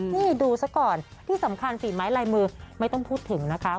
นี่ดูซะก่อนที่สำคัญฝีไม้ลายมือไม่ต้องพูดถึงนะคะ